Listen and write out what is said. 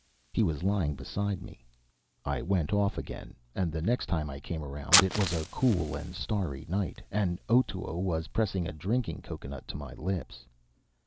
He was lying beside me. I went off again; and the next time I came round, it was cool and starry night, and Otoo was pressing a drinking cocoanut to my lips.